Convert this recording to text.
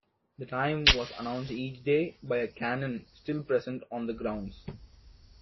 The time was announced each day by a cannon still present on the grounds.